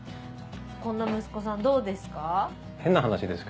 こんな息子さんどうですか？